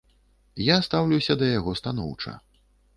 Я стаўлюся да яго станоўча.